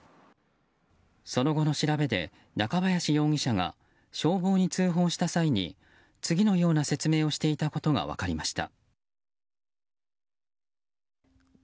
その後の調べで、中林容疑者が消防に通報した際に次のような説明をしていたことが分かりました。